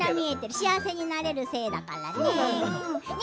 幸せになれる精だからね。